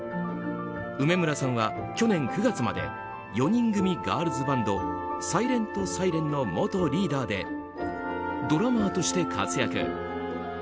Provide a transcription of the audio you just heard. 梅村さんは去年９月まで４人組ガールズバンドＳｉｌｅｎｔＳｉｒｅｎの元リーダーでドラマーとして活躍。